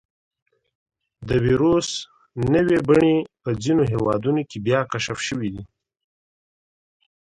د وېروس نوې بڼې په ځینو هېوادونو کې بیا کشف شوي دي.